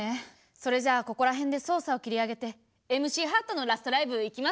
それじゃあここら辺で捜査を切り上げてＭＣハットのラストライブ行きますか！